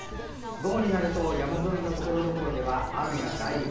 午後になると山沿いのところどころでは雨や雷雨。